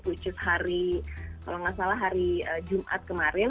which is hari kalau nggak salah hari jumat kemarin